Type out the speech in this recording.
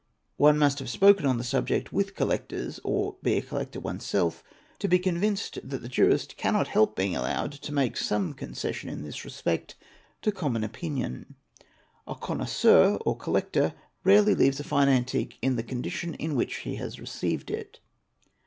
One must have spoken on the subject with collectors or be a collector oneself to be convinced that the jurist cannot help being allowed to make some concession in this respect to common opinion. A connoisseur or collector rarely leaves a fine antique in the condition in which he has received it.